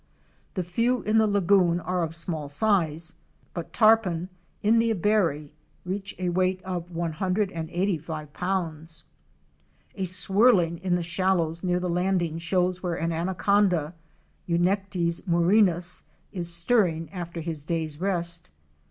The few in the lagoon are of small size, but tarpon in the Abary reach a weight of 185 pounds. A swirling in the shallows near the landing shows where an anaconda (Eunectes murinus) is stirring after his day's rest.